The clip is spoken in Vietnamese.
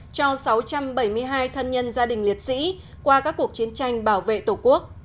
cho sáu trăm bảy mươi hai thân nhân gia đình liệt sĩ qua các cuộc chiến tranh bảo vệ tổ quốc